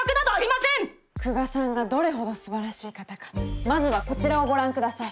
久我さんがどれほどすばらしい方かまずはこちらをご覧下さい。